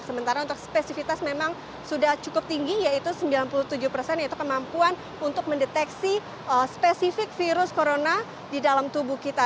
sementara untuk spesivitas memang sudah cukup tinggi yaitu sembilan puluh tujuh persen yaitu kemampuan untuk mendeteksi spesifik virus corona di dalam tubuh kita